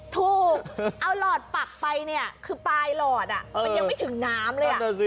ถูกเอาหลอดปักไปเนี่ยคือปลายหลอดมันยังไม่ถึงน้ำเลย